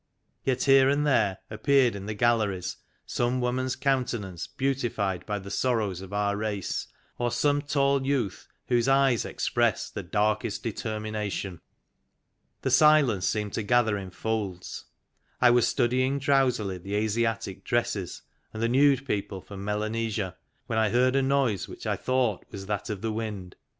Yet here and there appeared in the galleries some woman's countenance beautified by the sorrows of our race, or some tall youth whose eyes expressed the darkest de termination. The silence seemed to gather in folds. I was studying drowsily the Asiatic dresses and the nude people from Melanesia, when I heard a noise which I thought was that of the Wind.